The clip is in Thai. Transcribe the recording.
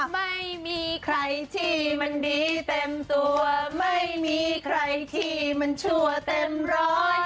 ไม่มีใครที่มันดีเต็มตัวไม่มีใครที่มันชั่วเต็มร้อย